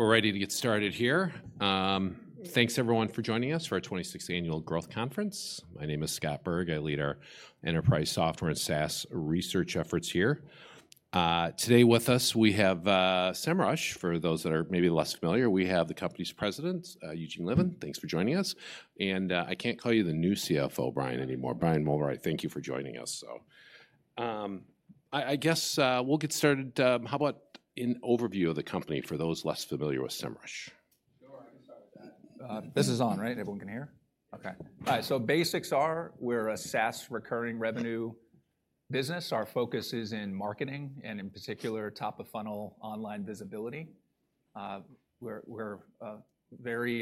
We're ready to get started here. Thanks everyone for joining us for our 26th Annual Growth Conference. My name is Scott Berg. I lead our enterprise software and SaaS research efforts here. Today with us, we have Semrush. For those that are maybe less familiar, we have the company's president, Eugene Levin. Thanks for joining us, and I can't call you the new CFO Brian anymore. Brian Mulroy, thank you for joining us. So, I guess we'll get started. How about an overview of the company for those less familiar with Semrush? Sure, I can start with that. This is on, right? Everyone can hear? Okay. All right, so basics are, we're a SaaS recurring revenue business. Our focus is in marketing, and in particular, top-of-funnel online visibility. We're a very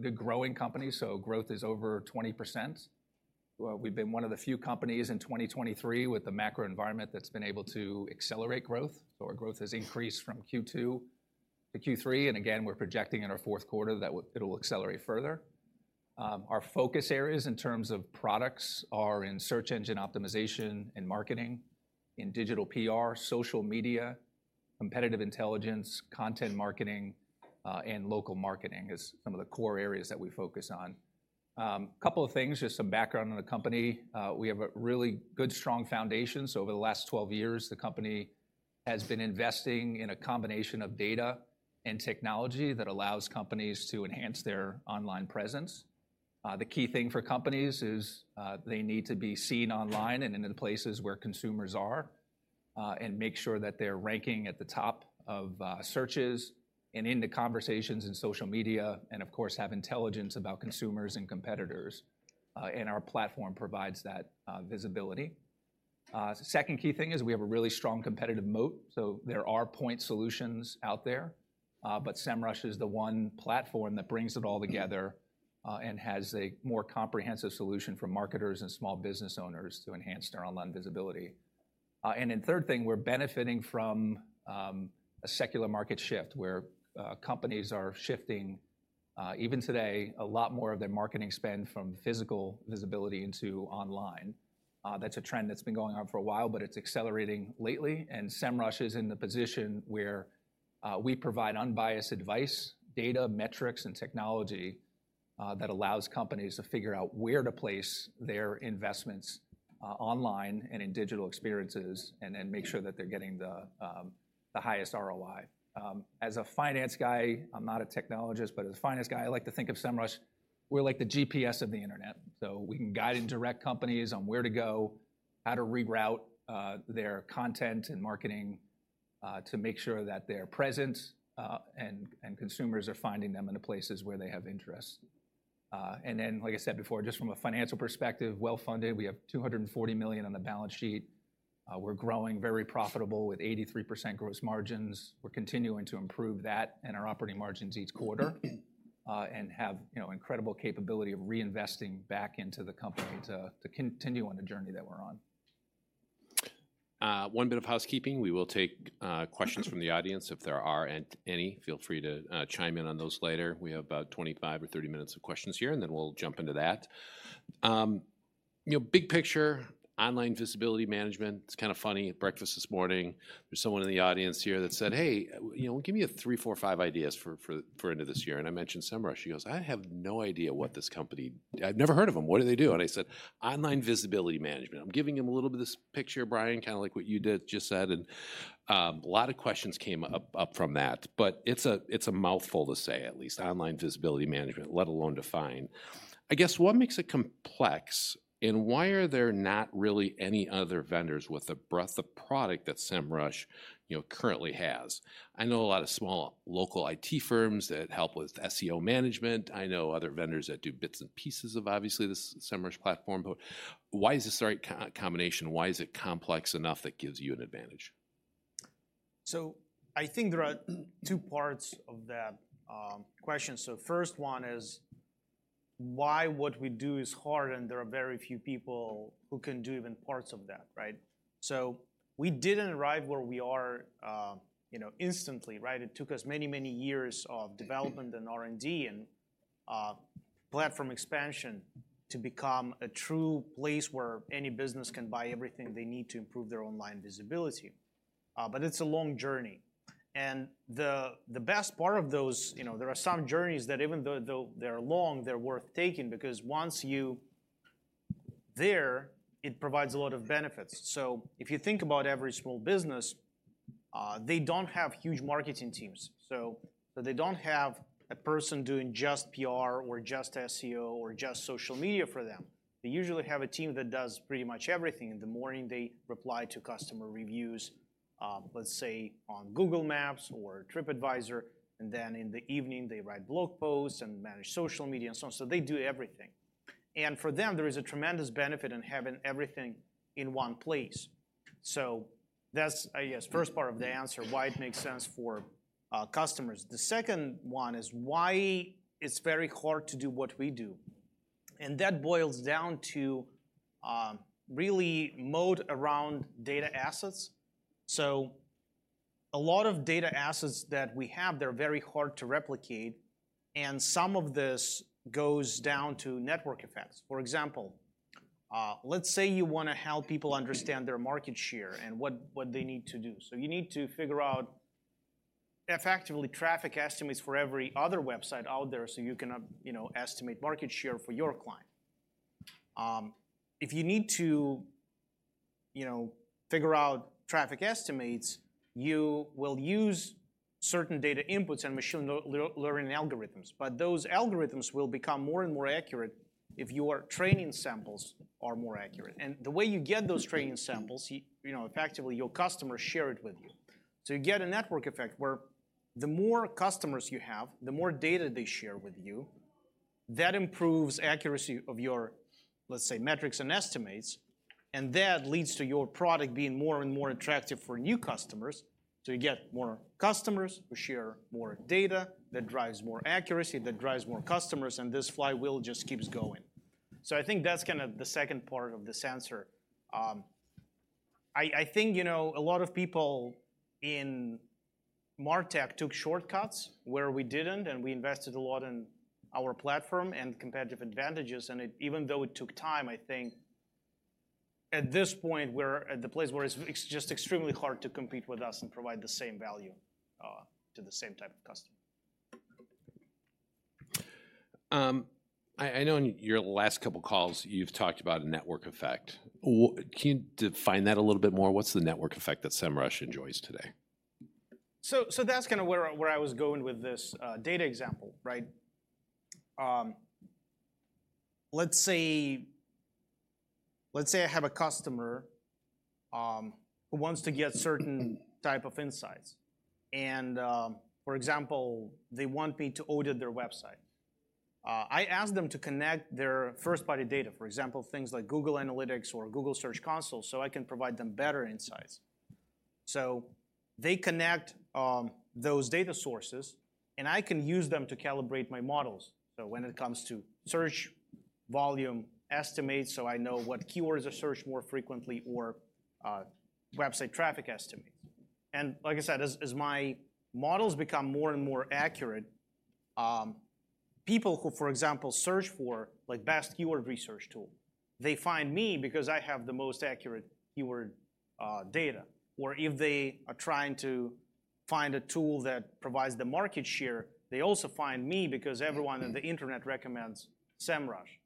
good growing company, so growth is over 20%. We've been one of the few companies in 2023 with the macro environment that's been able to accelerate growth. So our growth has increased from Q2 to Q3, and again, we're projecting in our fourth quarter that it will accelerate further. Our focus areas in terms of products are in search engine optimization and marketing, in digital PR, social media, competitive intelligence, content marketing, and local marketing is some of the core areas that we focus on. Couple of things, just some background on the company. We have a really good, strong foundation, so over the last 12 years, the company has been investing in a combination of data and technology that allows companies to enhance their online presence. The key thing for companies is, they need to be seen online and in the places where consumers are, and make sure that they're ranking at the top of searches and in the conversations in social media, and of course, have intelligence about consumers and competitors, and our platform provides that visibility. The second key thing is we have a really strong competitive moat, so there are point solutions out there, but Semrush is the one platform that brings it all together, and has a more comprehensive solution for marketers and small business owners to enhance their online visibility. And then third thing, we're benefiting from a secular market shift, where companies are shifting even today, a lot more of their marketing spend from physical visibility into online. That's a trend that's been going on for a while, but it's accelerating lately, and Semrush is in the position where we provide unbiased advice, data, metrics, and technology that allows companies to figure out where to place their investments online and in digital experiences and then make sure that they're getting the the highest ROI. As a finance guy, I'm not a technologist, but as a finance guy, I like to think of Semrush, we're like the GPS of the internet, so we can guide and direct companies on where to go, how to reroute their content and marketing to make sure that they're present, and consumers are finding them in the places where they have interest. And then, like I said before, just from a financial perspective, well-funded, we have $240 million on the balance sheet. We're growing, very profitable, with 83% gross margins. We're continuing to improve that and our operating margins each quarter, and have, you know, incredible capability of reinvesting back into the company to continue on the journey that we're on. One bit of housekeeping, we will take questions from the audience. If there are any, feel free to chime in on those later. We have about 25 or 30 minutes of questions here, and then we'll jump into that. You know, big picture, online visibility management, it's kind of funny, at breakfast this morning, there's someone in the audience here that said, "Hey, you know, give me three, four, five ideas for end of this year." And I mentioned Semrush. He goes, "I have no idea what this company... I've never heard of them. What do they do?" And I said, "Online visibility management." I'm giving him a little bit of this picture, Brian, kind of like what you did, just said, and a lot of questions came up from that, but it's a mouthful to say at least, online visibility management, let alone define. I guess, what makes it complex, and why are there not really any other vendors with the breadth of product that Semrush, you know, currently has? I know a lot of small, local IT firms that help with SEO management. I know other vendors that do bits and pieces of, obviously, the Semrush platform, but why is this the right combination? Why is it complex enough that gives you an advantage? So I think there are two parts of that question. So first one is, why what we do is hard, and there are very few people who can do even parts of that, right? So we didn't arrive where we are, you know, instantly, right? It took us many, many years of development and R&D and platform expansion to become a true place where any business can buy everything they need to improve their online visibility. But it's a long journey, and the best part of those, you know, there are some journeys that even though they're long, they're worth taking, because once you're there, it provides a lot of benefits. So if you think about every small business, they don't have huge marketing teams, so they don't have a person doing just PR or just SEO or just social media for them. They usually have a team that does pretty much everything. In the morning, they reply to customer reviews, let's say, on Google Maps or TripAdvisor, and then in the evening, they write blog posts and manage social media and so on. So they do everything. And for them, there is a tremendous benefit in having everything in one place. So that's, I guess, first part of the answer, why it makes sense for customers. The second one is why it's very hard to do what we do, and that boils down to really moat around data assets. So a lot of data assets that we have, they're very hard to replicate, and some of this goes down to network effects. For example-... let's say you wanna help people understand their market share and what they need to do. So you need to figure out effectively traffic estimates for every other website out there, so you can, you know, estimate market share for your client. If you need to, you know, figure out traffic estimates, you will use certain data inputs and machine learning algorithms. But those algorithms will become more and more accurate if your training samples are more accurate. And the way you get those training samples, you know, effectively, your customers share it with you. So you get a network effect, where the more customers you have, the more data they share with you. That improves accuracy of your, let's say, metrics and estimates, and that leads to your product being more and more attractive for new customers. So you get more customers, who share more data, that drives more accuracy, that drives more customers, and this flywheel just keeps going. So I think that's kind of the second part of this answer. I think, you know, a lot of people in MarTech took shortcuts, where we didn't, and we invested a lot in our platform and competitive advantages, and it... Even though it took time, I think at this point, we're at the place where it's, it's just extremely hard to compete with us and provide the same value, to the same type of customer. I know in your last couple calls, you've talked about a network effect. Can you define that a little bit more? What's the network effect that Semrush enjoys today? That's kind of where I was going with this data example, right? Let's say I have a customer who wants to get certain type of insights, and, for example, they want me to audit their website. I ask them to connect their first-party data, for example, things like Google Analytics or Google Search Console, so I can provide them better insights. So they connect those data sources, and I can use them to calibrate my models. So when it comes to search volume estimates, I know what keywords are searched more frequently or website traffic estimates. And like I said, as my models become more and more accurate, people who, for example, search for, like, best keyword research tool, they find me because I have the most accurate keyword data. Or if they are trying to find a tool that provides the market share, they also find me because everyone on the internet recommends Semrush.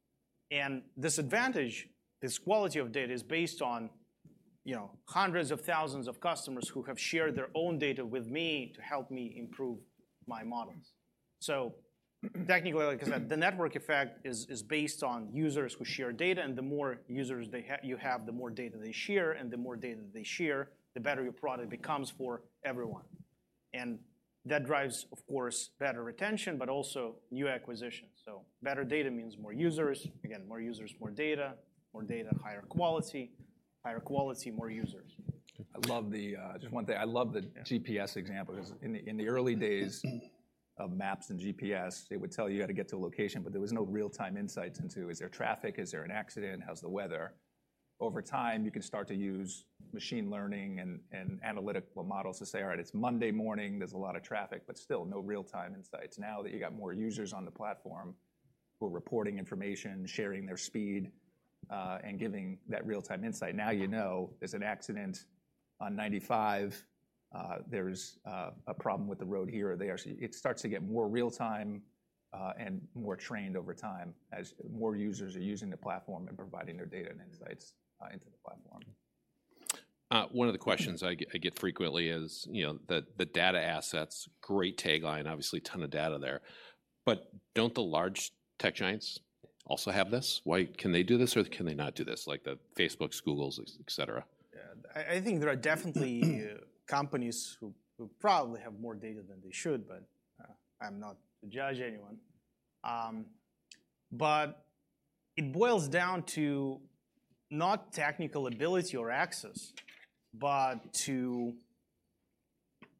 And this advantage, this quality of data, is based on, you know, hundreds of thousands of customers who have shared their own data with me to help me improve my models. So technically, like I said, the network effect is based on users who share data, and the more users you have, the more data they share, and the more data they share, the better your product becomes for everyone. And that drives, of course, better retention, but also new acquisitions. So better data means more users. Again, more users, more data. More data, higher quality. Higher quality, more users. I love the... Just one thing. I love the- Yeah... GPS example. 'Cause in the early days of maps and GPS, it would tell you how to get to a location, but there was no real-time insights into: Is there traffic? Is there an accident? How's the weather? Over time, you could start to use machine learning and analytical models to say, "All right, it's Monday morning, there's a lot of traffic," but still no real-time insights. Now that you've got more users on the platform, who are reporting information, sharing their speed, and giving that real-time insight, now you know there's an accident on 95, there's a problem with the road here or there. So it starts to get more real time and more trained over time as more users are using the platform and providing their data and insights into the platform. One of the questions I get frequently is, you know, the data assets, great tagline, obviously a ton of data there. But don't the large tech giants also have this? Why can they do this, or can they not do this, like the Facebooks, Googles, et cetera? Yeah. I think there are definitely companies who probably have more data than they should, but I'm not to judge anyone. It boils down to not technical ability or access, but to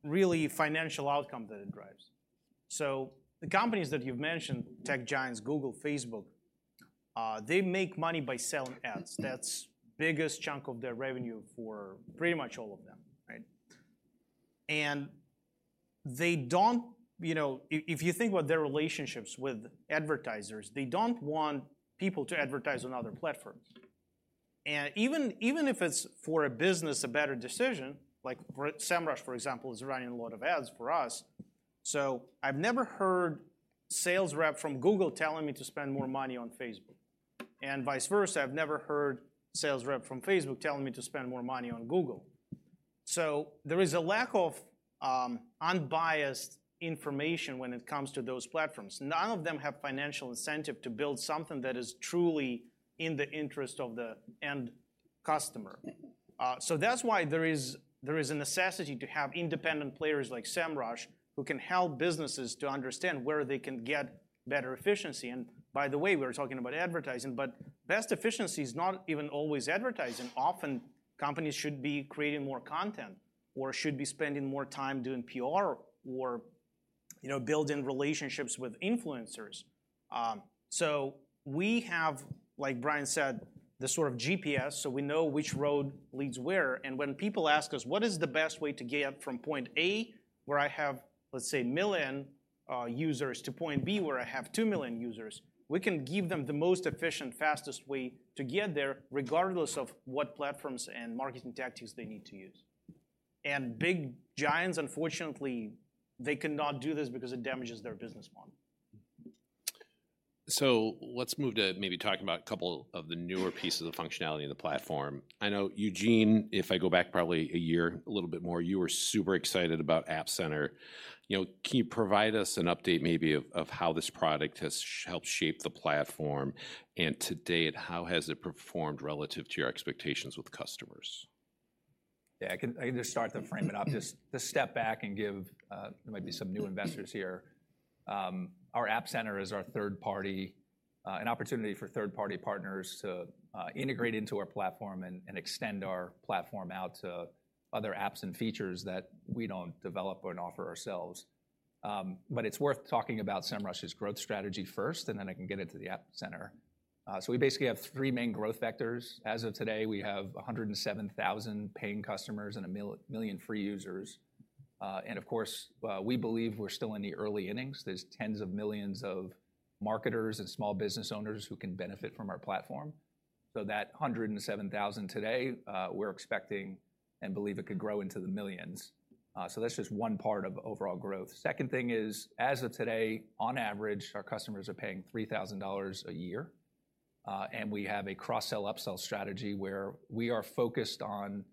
really financial outcome that it drives. So the companies that you've mentioned, tech giants, Google, Facebook, they make money by selling ads. That's biggest chunk of their revenue for pretty much all of them, right? And they don't, you know... If you think about their relationships with advertisers, they don't want people to advertise on other platforms. And even if it's, for a business, a better decision, like for Semrush, for example, is running a lot of ads for us. So I've never heard sales rep from Google telling me to spend more money on Facebook, and vice versa, I've never heard sales rep from Facebook telling me to spend more money on Google. So there is a lack of unbiased information when it comes to those platforms. None of them have financial incentive to build something that is truly in the interest of the end customer. So that's why there is, there is a necessity to have independent players like Semrush, who can help businesses to understand where they can get better efficiency. And by the way, we're talking about advertising, but best efficiency is not even always advertising. Often, companies should be creating more content or should be spending more time doing PR or, you know, building relationships with influencers. So we have, like Brian said, the sort of GPS, so we know which road leads where, and when people ask us: What is the best way to get from point A, where I have, let's say, million users, to point B, where I have two million users? We can give them the most efficient, fastest way to get there, regardless of what platforms and marketing tactics they need to use... and big giants, unfortunately, they cannot do this because it damages their business model. So let's move to maybe talking about a couple of the newer pieces of functionality in the platform. I know, Eugene, if I go back probably a year, a little bit more, you were super excited about App Center. You know, can you provide us an update maybe of, of how this product has helped shape the platform, and to date, how has it performed relative to your expectations with customers? Yeah, I can, I can just start to frame it up. Just, just step back and give there might be some new investors here. Our App Center is our third-party an opportunity for third-party partners to integrate into our platform and extend our platform out to other apps and features that we don't develop or offer ourselves. But it's worth talking about Semrush's growth strategy first, and then I can get into the App Center. So we basically have three main growth vectors. As of today, we have 107,000 paying customers and a million free users. And of course, we believe we're still in the early innings. There's tens of millions of marketers and small business owners who can benefit from our platform. So 107,000 today, we're expecting and believe it could grow into the millions. So that's just one part of overall growth. Second thing is, as of today, on average, our customers are paying $3,000 a year, and we have a cross-sell, upsell strategy, where we are focused on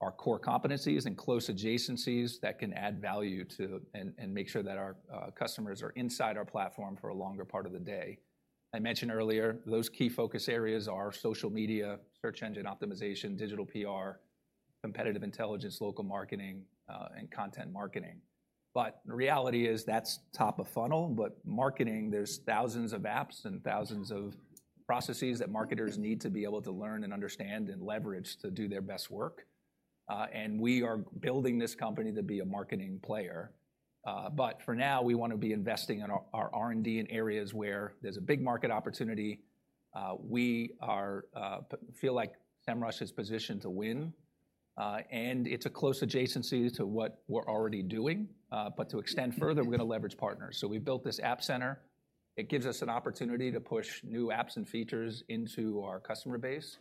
our core competencies and close adjacencies that can add value to, and, and make sure that our customers are inside our platform for a longer part of the day. I mentioned earlier, those key focus areas are social media, search engine optimization, digital PR, competitive intelligence, local marketing, and content marketing. But the reality is, that's top of funnel, but marketing, there's thousands of apps and thousands of processes that marketers need to be able to learn and understand and leverage to do their best work. And we are building this company to be a marketing player. But for now, we want to be investing in our, our R&D in areas where there's a big market opportunity, we feel like Semrush is positioned to win, and it's a close adjacency to what we're already doing. But to extend further, we're going to leverage partners. So we built this App Center. It gives us an opportunity to push new apps and features into our customer base,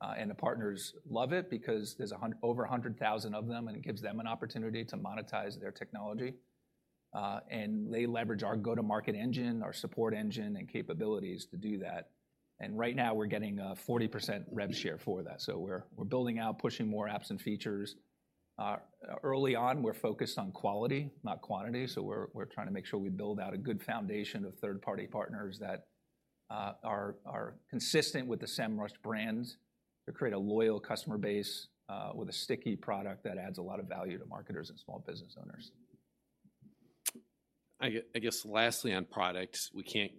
and the partners love it because there's over 100,000 of them, and it gives them an opportunity to monetize their technology. And they leverage our go-to-market engine, our support engine, and capabilities to do that. And right now, we're getting a 40% rev share for that, so we're, we're building out, pushing more apps and features. Early on, we're focused on quality, not quantity, so we're trying to make sure we build out a good foundation of third-party partners that are consistent with the Semrush brand, to create a loyal customer base, with a sticky product that adds a lot of value to marketers and small business owners. I guess lastly, on products, we can't,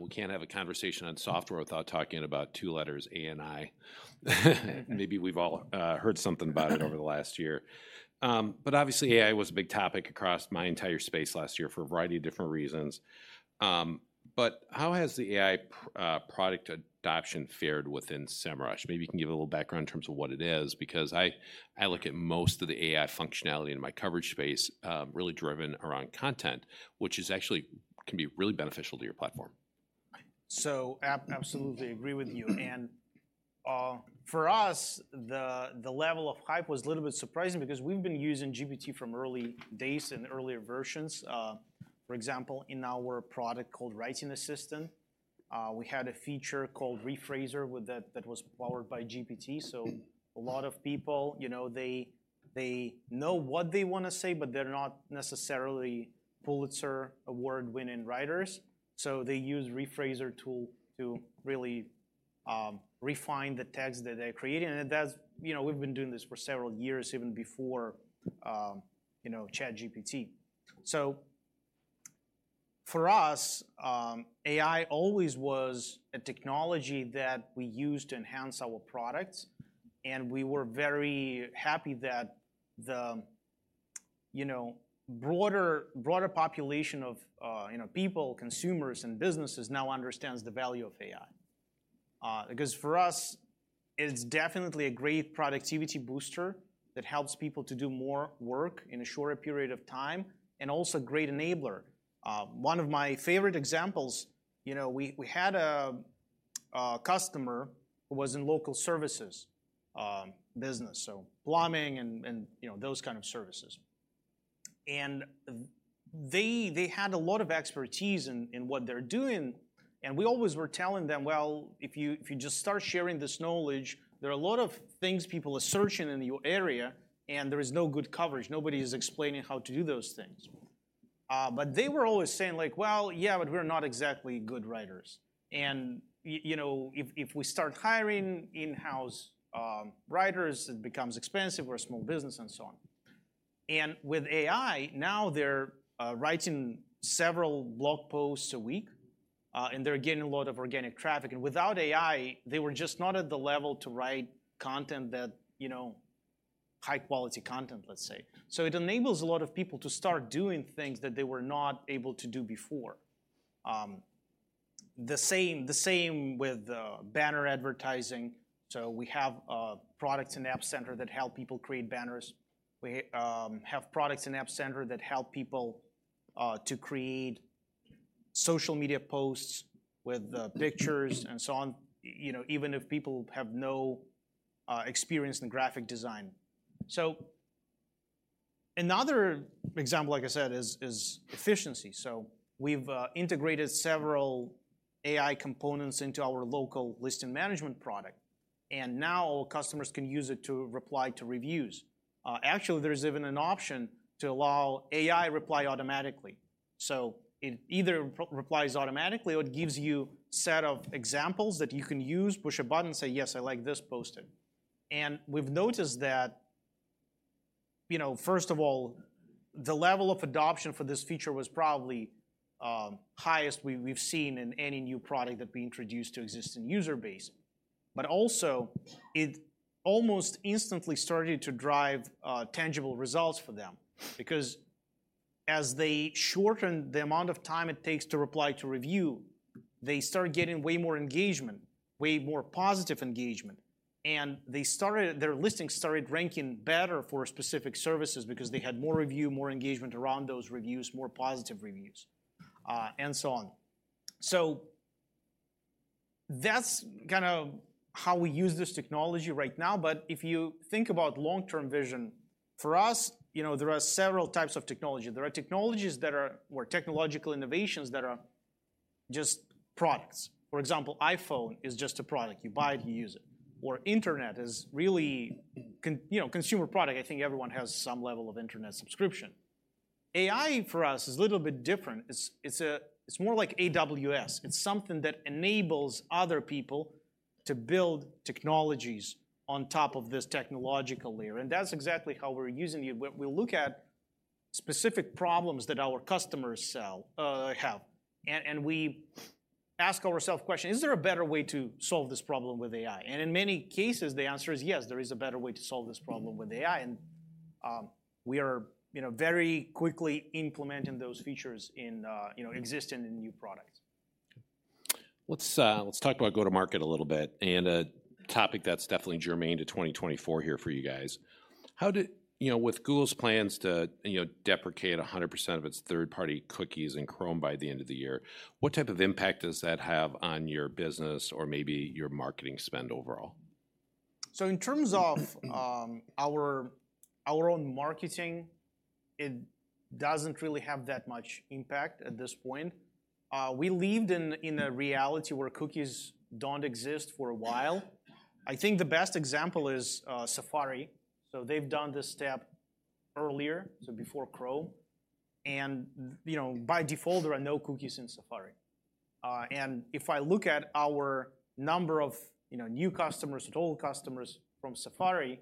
we can't have a conversation on software without talking about two letters, A and I. Maybe we've all heard something about it over the last year. But obviously, AI was a big topic across my entire space last year for a variety of different reasons. But how has the AI product adoption fared within Semrush? Maybe you can give a little background in terms of what it is, because I look at most of the AI functionality in my coverage space, really driven around content, which actually can be really beneficial to your platform. So absolutely agree with you. And, for us, the level of hype was a little bit surprising because we've been using GPT from early days and earlier versions. For example, in our product called Writing Assistant, we had a feature called Rephraser with that, that was powered by GPT. So a lot of people, you know, they know what they want to say, but they're not necessarily Pulitzer Award-winning writers, so they use rephraser tool to really refine the text that they're creating. And that's, you know, we've been doing this for several years, even before, you know, ChatGPT. So, for us, AI always was a technology that we used to enhance our products, and we were very happy that the, you know, broader population of, you know, people, consumers, and businesses now understands the value of AI. Because for us, it's definitely a great productivity booster that helps people to do more work in a shorter period of time, and also a great enabler. One of my favorite examples, you know, we had a customer who was in local services business, so plumbing and you know, those kind of services. And they had a lot of expertise in what they're doing, and we always were telling them, "Well, if you just start sharing this knowledge, there are a lot of things people are searching in your area, and there is no good coverage. Nobody is explaining how to do those things." But they were always saying, like: "Well, yeah, but we're not exactly good writers. And you know, if we start hiring in-house writers, it becomes expensive. We're a small business," and so on. And with AI, now they're writing several blog posts a week, and they're getting a lot of organic traffic. And without AI, they were just not at the level to write content that, you know... high-quality content, let's say. So it enables a lot of people to start doing things that they were not able to do before. The same with banner advertising. So we have products in App Center that help people create banners. We have products in App Center that help people to create social media posts with pictures and so on, you know, even if people have no experience in graphic design. So another example, like I said, is efficiency. So we've integrated several AI components into our local listing management product, and now customers can use it to reply to reviews. Actually, there's even an option to allow AI reply automatically. So it either replies automatically or it gives you set of examples that you can use, push a button, say, "Yes, I like this posted." And we've noticed that, you know, first of all, the level of adoption for this feature was probably highest we've seen in any new product that we introduced to existing user base. But also, it almost instantly started to drive tangible results for them. Because as they shortened the amount of time it takes to reply to review, they started getting way more engagement, way more positive engagement, and they started- their listings started ranking better for specific services because they had more review, more engagement around those reviews, more positive reviews, and so on. So that's kind of how we use this technology right now, but if you think about long-term vision, for us, you know, there are several types of technology. There are technologies that are... or technological innovations that are just products. For example, iPhone is just a product. You buy it, you use it. Or internet is really, you know, consumer product. I think everyone has some level of internet subscription. AI, for us, is a little bit different. It's more like AWS. It's something that enables other people to build technologies on top of this technological layer, and that's exactly how we're using it. We look at specific problems that our customers sell have, and we ask ourself question: Is there a better way to solve this problem with AI? And in many cases, the answer is yes, there is a better way to solve this problem with AI, and we are, you know, very quickly implementing those features in, you know, existing and new products. Let's talk about go-to-market a little bit, and a topic that's definitely germane to 2024 here for you guys. You know, with Google's plans to, you know, deprecate 100% of its third-party cookies in Chrome by the end of the year, what type of impact does that have on your business or maybe your marketing spend overall? So in terms of our own marketing, it doesn't really have that much impact at this point. We lived in a reality where cookies don't exist for a while. I think the best example is Safari. So they've done this step earlier, so before Chrome, and, you know, by default, there are no cookies in Safari. And if I look at our number of new customers, total customers from Safari,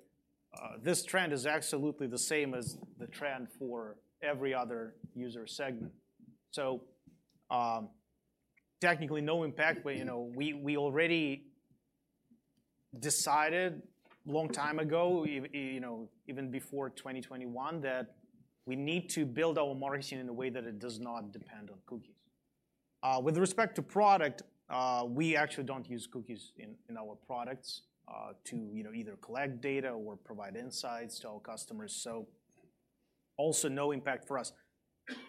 this trend is absolutely the same as the trend for every other user segment. So technically, no impact but, you know, we already decided long time ago, you know, even before 2021, that we need to build our marketing in a way that it does not depend on cookies. With respect to product, we actually don't use cookies in our products to you know either collect data or provide insights to our customers, so also no impact for us.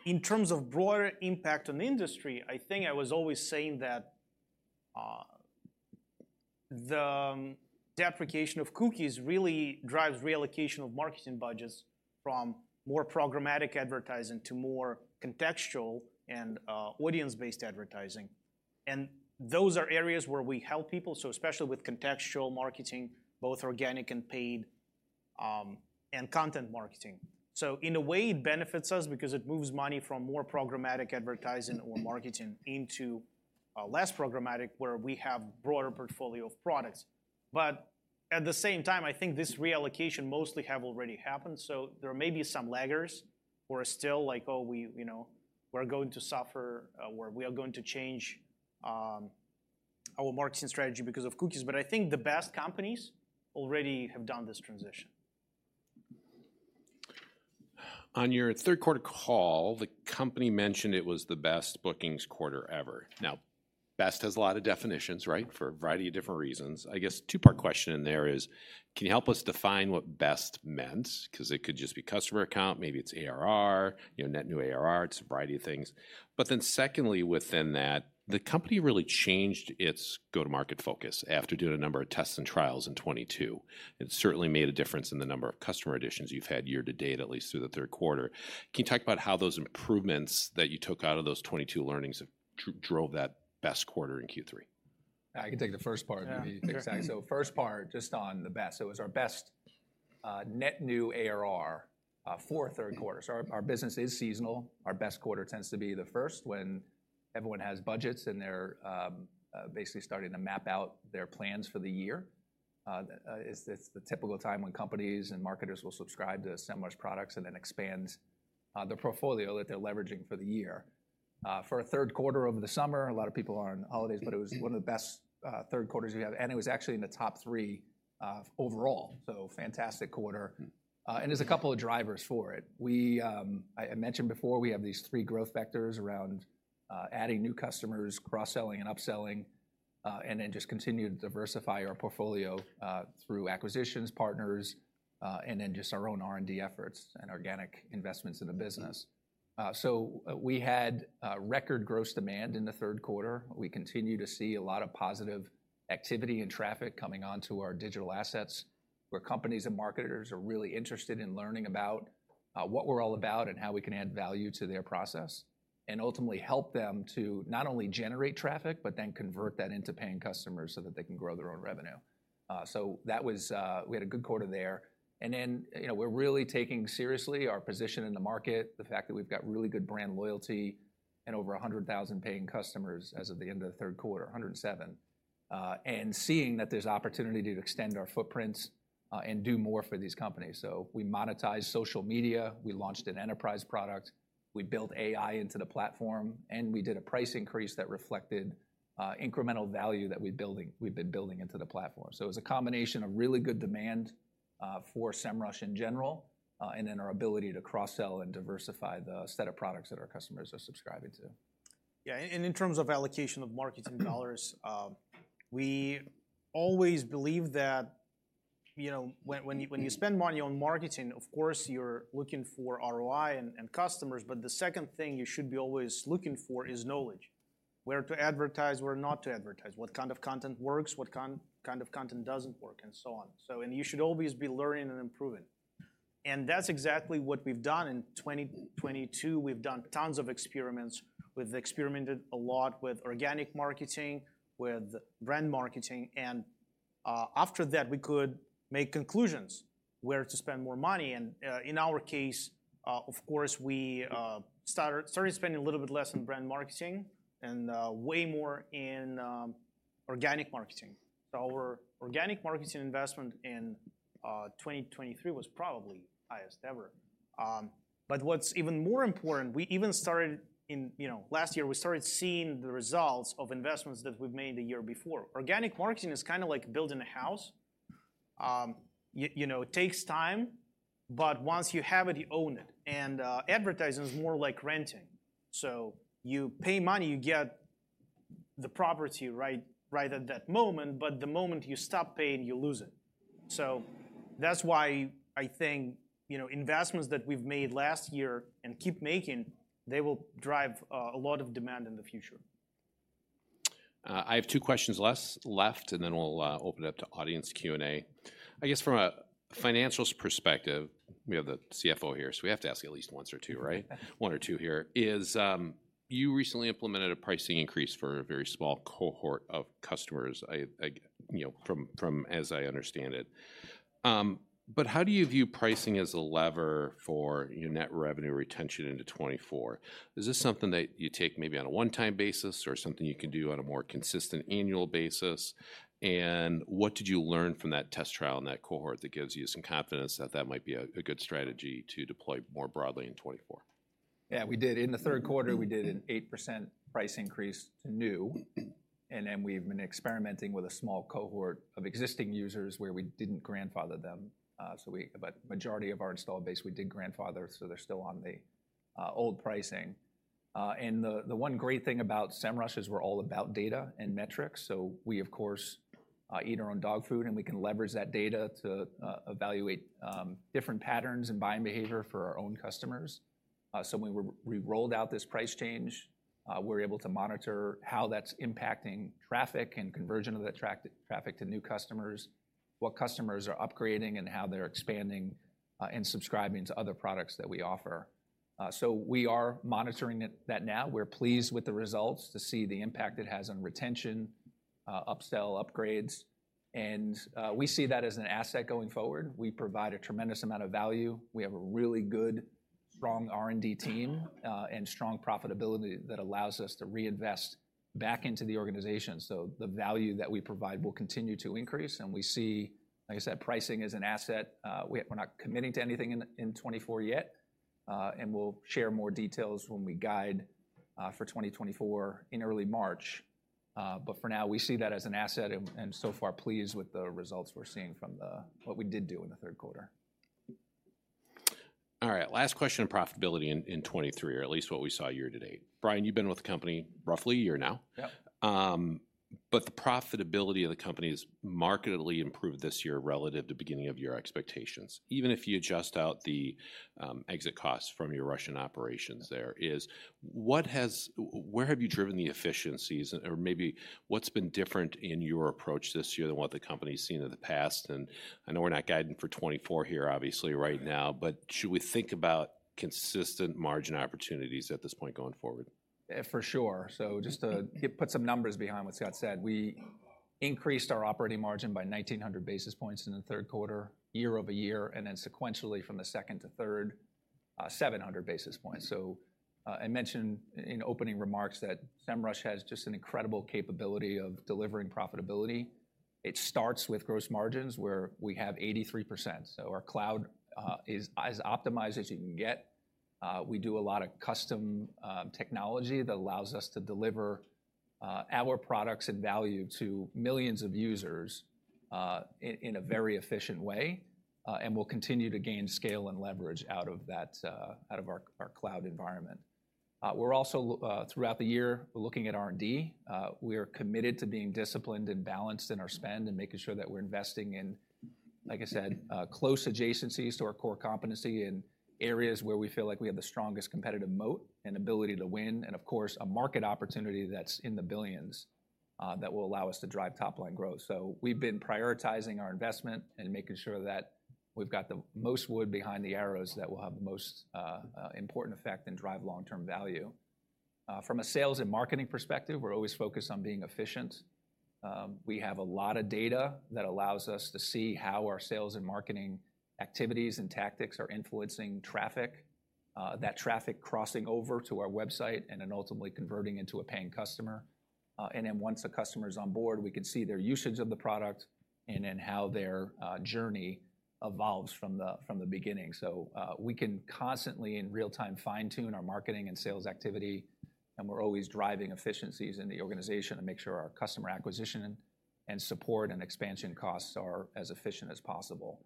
In terms of broader impact on the industry, I think I was always saying that the deprecation of cookies really drives reallocation of marketing budgets from more programmatic advertising to more contextual and audience-based advertising. And those are areas where we help people, so especially with contextual marketing, both organic and paid, and content marketing. So in a way, it benefits us because it moves money from more programmatic advertising or marketing into less programmatic, where we have broader portfolio of products. But at the same time, I think this reallocation mostly have already happened, so there may be some laggards who are still like, "Oh, we, you know, we're going to suffer," or, "We are going to change our marketing strategy because of cookies." But I think the best companies already have done this transition. On your third quarter call, the company mentioned it was the best bookings quarter ever. Now, best has a lot of definitions, right? For a variety of different reasons. I guess two-part question in there is: Can you help us define what best meant? 'Cause it could just be customer account, maybe it's ARR, you know, net new ARR, it's a variety of things. But then secondly, within that, the company really changed its go-to-market focus after doing a number of tests and trials in 2022. It certainly made a difference in the number of customer additions you've had year to date, at least through the third quarter. Can you talk about how those improvements that you took out of those 2022 learnings have drove that best quarter in Q3? I can take the first part- Yeah. -and you take the second. So first part, just on the best, it was our best, net new ARR, for a third quarter. So our, our business is seasonal. Our best quarter tends to be the first, when everyone has budgets and they're, basically starting to map out their plans for the year. It's, it's the typical time when companies and marketers will subscribe to Semrush products and then expand, the portfolio that they're leveraging for the year. For a third quarter over the summer, a lot of people are on holidays, but it was one of the best, third quarters we had, and it was actually in the top three, overall, so fantastic quarter. Mm. There's a couple of drivers for it. I mentioned before, we have these three growth vectors around adding new customers, cross-selling and upselling, and then just continue to diversify our portfolio through acquisitions, partners, and then just our own R&D efforts and organic investments in the business. We had record gross demand in the third quarter. We continue to see a lot of positive activity and traffic coming onto our digital assets, where companies and marketers are really interested in learning about what we're all about and how we can add value to their process, and ultimately help them to not only generate traffic, but then convert that into paying customers so that they can grow their own revenue. That was, we had a good quarter there. And then, you know, we're really taking seriously our position in the market, the fact that we've got really good brand loyalty and over 107,000 paying customers as of the end of the third quarter. And seeing that there's opportunity to extend our footprints, and do more for these companies. So we monetized social media, we launched an enterprise product, we built AI into the platform, and we did a price increase that reflected incremental value that we've been building into the platform. So it was a combination of really good demand for Semrush in general, and then our ability to cross-sell and diversify the set of products that our customers are subscribing to. Yeah, and in terms of allocation of marketing dollars, we always believe that, you know, when you spend money on marketing, of course, you're looking for ROI and customers, but the second thing you should be always looking for is knowledge. Where to advertise, where not to advertise, what kind of content works, what kind of content doesn't work, and so on. So, and you should always be learning and improving. And that's exactly what we've done in 2022. We've done tons of experiments. We've experimented a lot with organic marketing, with brand marketing, and after that, we could make conclusions where to spend more money, and in our case, of course, we started spending a little bit less on brand marketing and way more in organic marketing. So our organic marketing investment in 2023 was probably highest ever. But what's even more important, we even started in... You know, last year, we started seeing the results of investments that we've made the year before. Organic marketing is kinda like building a house. You know, it takes time, but once you have it, you own it. And advertising is more like renting. So you pay money, you get the property right, right at that moment, but the moment you stop paying, you lose it. So that's why I think, you know, investments that we've made last year and keep making, they will drive a lot of demand in the future. I have two questions left, and then we'll open it up to audience Q&A. I guess from a financials perspective, we have the CFO here, so we have to ask at least one or two, right? One or two here is you recently implemented a pricing increase for a very small cohort of customers. I you know from as I understand it. But how do you view pricing as a lever for your net revenue retention into 2024? Is this something that you take maybe on a one-time basis or something you can do on a more consistent annual basis? And what did you learn from that test trial and that cohort that gives you some confidence that that might be a good strategy to deploy more broadly in 2024? Yeah, we did. In the third quarter, we did an 8% price increase to new, and then we've been experimenting with a small cohort of existing users where we didn't grandfather them. But majority of our installed base, we did grandfather, so they're still on the old pricing. And the one great thing about Semrush is we're all about data and metrics, so we, of course, eat our own dog food, and we can leverage that data to evaluate different patterns and buying behavior for our own customers. So when we rolled out this price change, we're able to monitor how that's impacting traffic and conversion of that traffic to new customers, what customers are upgrading, and how they're expanding and subscribing to other products that we offer. So we are monitoring it that now. We're pleased with the results to see the impact it has on retention, upsell, upgrades, and we see that as an asset going forward. We provide a tremendous amount of value. We have a really good, strong R&D team and strong profitability that allows us to reinvest back into the organization. So the value that we provide will continue to increase, and we see, like I said, pricing as an asset. We're not committing to anything in 2024 yet, and we'll share more details when we guide for 2024 in early March. But for now, we see that as an asset and so far pleased with the results we're seeing from what we did do in the third quarter. All right, last question on profitability in 2023, or at least what we saw year to date. Brian, you've been with the company roughly a year now. Yep. But the profitability of the company has markedly improved this year relative to beginning of year expectations. Even if you adjust out the exit costs from your Russian operations there, what has—where have you driven the efficiencies, or maybe what's been different in your approach this year than what the company's seen in the past? And I know we're not guiding for 2024 here, obviously, right now, but should we think about consistent margin opportunities at this point going forward? For sure. So just to put some numbers behind what Scott said, we increased our operating margin by 1,900 basis points in the third quarter, year-over-year, and then sequentially from the second to third, 700 basis points. So, I mentioned in opening remarks that Semrush has just an incredible capability of delivering profitability. It starts with gross margins, where we have 83%. So our cloud is as optimized as you can get. We do a lot of custom technology that allows us to deliver our products and value to millions of users.... in a very efficient way, and we'll continue to gain scale and leverage out of that, out of our cloud environment. We're also looking throughout the year at R&D. We are committed to being disciplined and balanced in our spend and making sure that we're investing in, like I said, close adjacencies to our core competency in areas where we feel like we have the strongest competitive moat and ability to win, and of course, a market opportunity that's in the billions, that will allow us to drive top-line growth. So we've been prioritizing our investment and making sure that we've got the most wood behind the arrows that will have the most important effect and drive long-term value. From a sales and marketing perspective, we're always focused on being efficient. We have a lot of data that allows us to see how our sales and marketing activities and tactics are influencing traffic, that traffic crossing over to our website and then ultimately converting into a paying customer. Then once a customer is on board, we can see their usage of the product and then how their journey evolves from the beginning. We can constantly, in real time, fine-tune our marketing and sales activity, and we're always driving efficiencies in the organization to make sure our customer acquisition and support and expansion costs are as efficient as possible.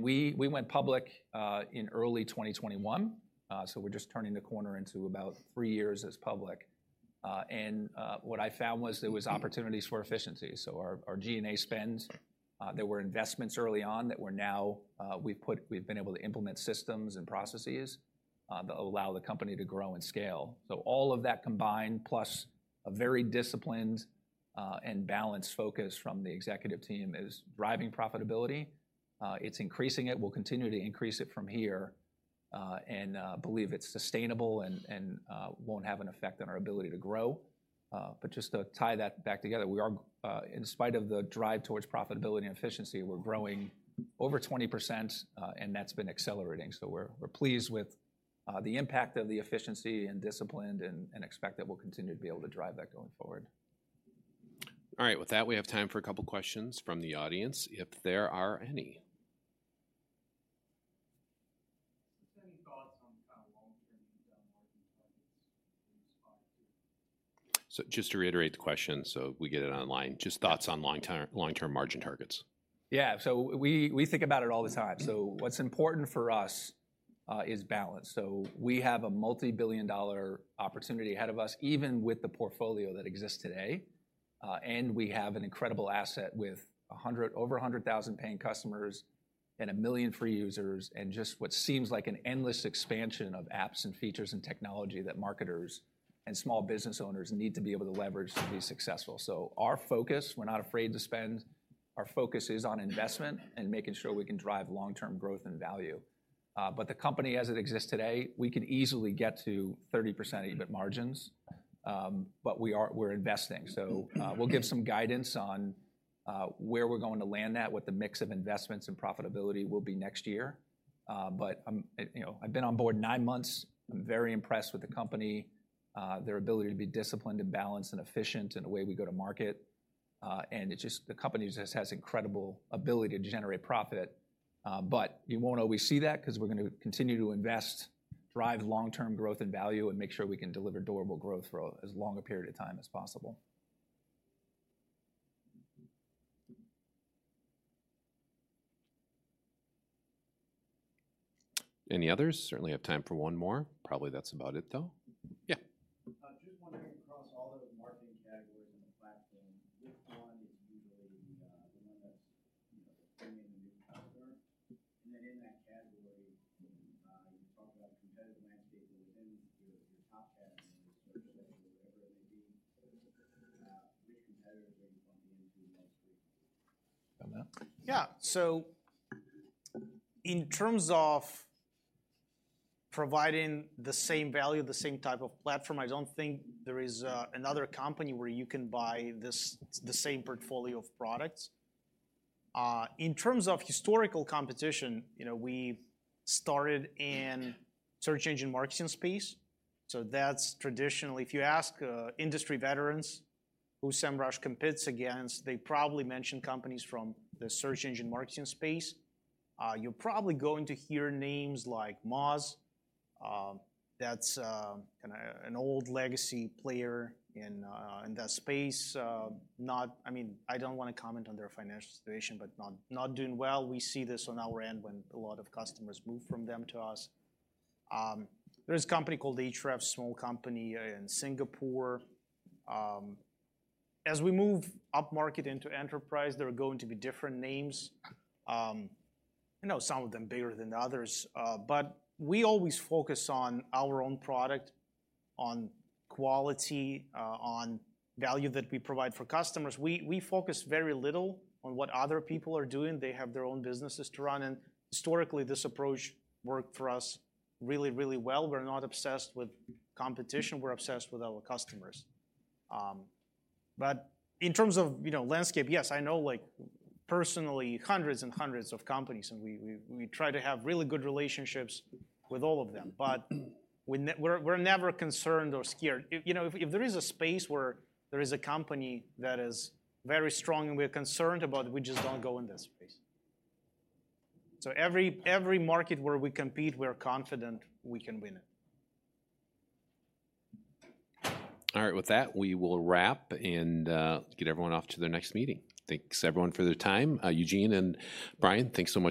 We went public in early 2021, so we're just turning the corner into about three years as public. What I found was there was opportunities for efficiency. Our G&A spend, there were investments early on that we've been able to implement systems and processes that allow the company to grow and scale. So all of that combined, plus a very disciplined, and balanced focus from the executive team, is driving profitability. It's increasing it. We'll continue to increase it from here, and, believe it's sustainable and, won't have an effect on our ability to grow. But just to tie that back together, we are, in spite of the drive towards profitability and efficiency, we're growing over 20%, and that's been accelerating. So we're, we're pleased with, the impact of the efficiency and disciplined and, expect that we'll continue to be able to drive that going forward. All right. With that, we have time for a couple questions from the audience, if there are any. Any thoughts on kind of long-term margin targets in this spot? So, just to reiterate the question, so we get it online, just thoughts on long-term, long-term margin targets. Yeah. So we think about it all the time. So what's important for us is balance. So we have a multi-billion dollar opportunity ahead of us, even with the portfolio that exists today, and we have an incredible asset with over 100,000 paying customers and 1 million free users, and just what seems like an endless expansion of apps and features and technology that marketers and small business owners need to be able to leverage to be successful. So our focus, we're not afraid to spend. Our focus is on investment and making sure we can drive long-term growth and value. But the company, as it exists today, we could easily get to 30% EBIT margins, but we are, we're investing. So, we'll give some guidance on where we're going to land that, what the mix of investments and profitability will be next year. But, you know, I've been on board nine months. I'm very impressed with the company, their ability to be disciplined and balanced and efficient in the way we go to market. And it just, the company just has incredible ability to generate profit, but you won't always see that because we're going to continue to invest, drive long-term growth and value, and make sure we can deliver durable growth for as long a period of time as possible. Any others? Certainly have time for one more. Probably that's about it, though. Yeah. Just wondering, across all the marketing categories in the platform, which one is usually the one that's, you know, coming in the top third, and then in that category, you talk about competitive landscape within your top category, search category, whatever it may be, which competitors are you going to be in the next three? On that? Yeah. So in terms of providing the same value, the same type of platform, I don't think there is, another company where you can buy this, the same portfolio of products. In terms of historical competition, you know, we started in search engine marketing space, so that's traditionally... If you ask, industry veterans who Semrush competes against, they probably mention companies from the search engine marketing space. You're probably going to hear names like Moz. That's kind of an old legacy player in that space. Not, I mean, I don't want to comment on their financial situation, but not, not doing well. We see this on our end when a lot of customers move from them to us. There's a company called Ahrefs, small company in Singapore. As we move upmarket into enterprise, there are going to be different names, you know, some of them bigger than others, but we always focus on our own product, on quality, on value that we provide for customers. We focus very little on what other people are doing. They have their own businesses to run, and historically, this approach worked for us really, really well. We're not obsessed with competition. We're obsessed with our customers. But in terms of, you know, landscape, yes, I know, like, personally, hundreds and hundreds of companies, and we try to have really good relationships with all of them, but we're, we're never concerned or scared. You know, if there is a space where there is a company that is very strong, and we're concerned about, we just don't go in that space. Every market where we compete, we're confident we can win it. All right. With that, we will wrap and get everyone off to their next meeting. Thanks, everyone, for their time. Eugene and Brian, thanks so much for-